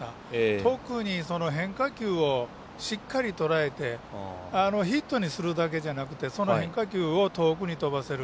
特に変化球をしっかりとらえてヒットにするだけじゃなくてその変化球を遠くに飛ばせる。